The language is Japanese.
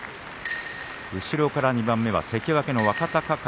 後ろから２番目は関脇の若隆景。